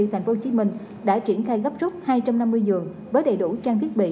thành phố hồ chí minh đã triển khai gấp rút hai trăm năm mươi giường với đầy đủ trang thiết bị